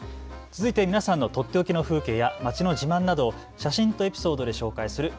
続いてみなさんのとっておきの風景や街の自慢などを写真とエピソードで紹介する＃